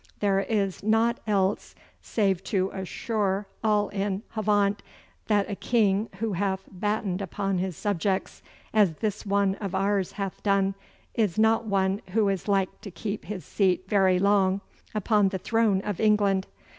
There is naught else save to assure all in Havant that a King who hath battened upon his subjects, as this one of ours hath done, is not one who is like to keep his seat very long upon the throne of England.